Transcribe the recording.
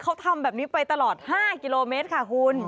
เขาทำแบบนี้ไปตลอด๕กิโลเมตรค่ะคุณ